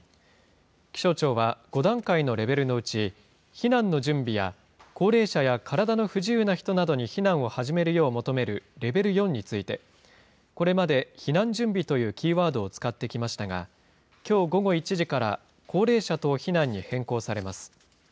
気象庁は、５段階のレベルのうち、避難の準備や高齢者や体の不自由な人などに避難を始めるよう求めるレベル４について、これまで避難準備というキーワードを使ってきましたが、きょう午後１時から、高齢者等避難に変更されます。